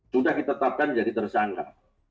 sudah ditetapkan jadi tersangka